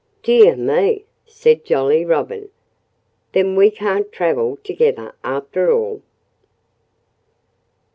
"Dear me!" said Jolly Robin. "Then we can't travel together after all."